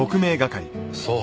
そう。